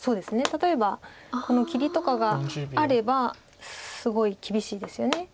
例えばこの切りとかがあればすごい厳しいですよね。